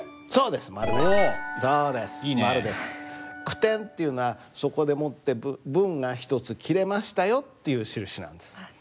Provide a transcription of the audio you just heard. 句点っていうのはそこでもって文が１つ切れましたよっていう印なんです。